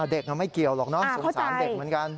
เด็กไม่เกี่ยวหรอกเนอะสงสารเด็กเหมือนกัน